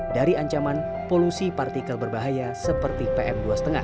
dari ancaman polusi partikel berbahaya seperti pm dua lima